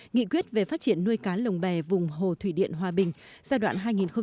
nghị quyết về phát triển nuôi cá lồng bè vùng hồ thủy điện hòa bình giai đoạn hai nghìn một mươi sáu hai nghìn hai mươi